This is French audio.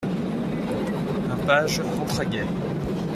Un page d’Entraguet.